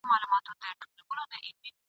خو هغه دونه پیسې نه وې !.